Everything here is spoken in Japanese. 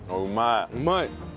うまい。